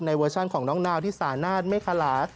เวอร์ชันของน้องนาวที่สานาทเมคาลา